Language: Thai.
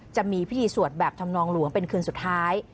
จะมีพิธีสวดแบบธรรมนองหลวงเป็นคืนสุดท้าย